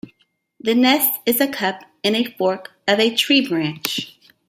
The nest is a cup in a fork of a tree branch.